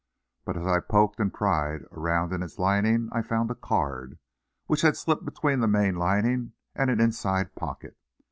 But as I poked and pried around in its lining I found a card, which had slipped between the main lining and an inside pocket.